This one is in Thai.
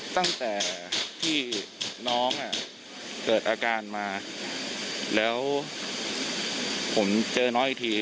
ตั้งแต่ที่น้องเกิดอาการมาแล้วผมเจอน้องอีกที